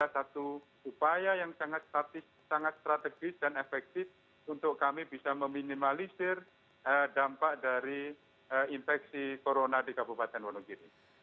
ada satu upaya yang sangat strategis dan efektif untuk kami bisa meminimalisir dampak dari infeksi corona di kabupaten wonogiri